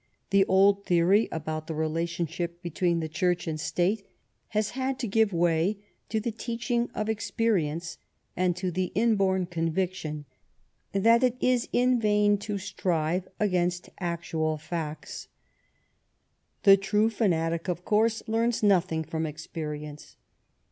The old theory about the relation ship between the State and Church has had to give way to the teaching of experience, and to the in born conviction that it is in vain to strive against actual facts. The true fanatic, of course, learns nothing from experience.